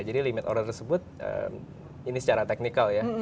jadi limit order tersebut ini secara technical ya